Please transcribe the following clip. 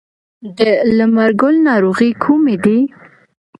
د لمر ګل ناروغۍ کومې دي؟